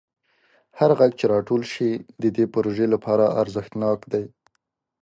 هر غږ چې راټول شي د دې پروژې لپاره ارزښتناک دی.